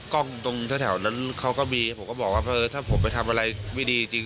กล้องตรงแถวนั้นเขาก็มีผมก็บอกว่าเออถ้าผมไปทำอะไรไม่ดีจริง